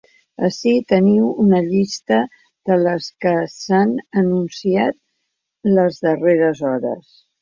Ací teniu una llista de les que s’han anunciat les darreres hores.